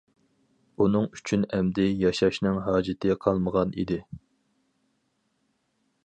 ئۇنىڭ ئۈچۈن ئەمدى ياشاشنىڭ ھاجىتى قالمىغان ئىدى.